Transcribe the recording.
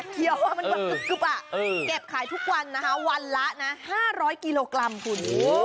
เก็บขายทุกวันวันละ๕๐๐กิโลกรัมคุณ